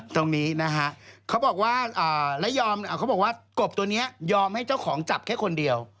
ตรงนี้นะฮะเขาบอกว่ากบตัวนี้ยอมให้เจ้าของจับแค่คนเดียว